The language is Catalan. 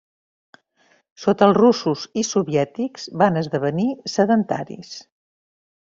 Sota els russos i soviètics van esdevenir sedentaris.